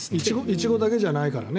イチゴだけじゃないからね。